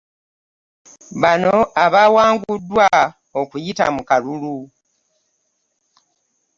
Bano abawanguddwa okuyita mu kalulu.